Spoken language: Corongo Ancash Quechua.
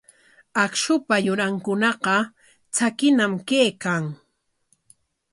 Akshupa yurankunaqa tsakiñam kaykan.